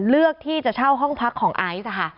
เลือกที่จะเช่าห้องพักของไอซ์ค่ะ